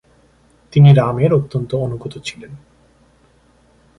তিনি রামের অত্যন্ত অনুগত ছিলেন।